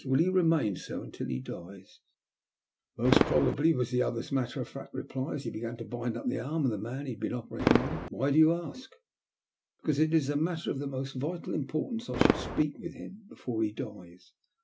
Will he remain so until he dies ?" ''Most probably," was the other's matter of fact reply as he began to bind up the arm of the man he had been operating on. "Why do you ask?" '' Because it is a matter of the most vital import ance that I should speak with him before he dies.